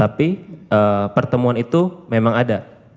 tapi pertemuan itu memang ada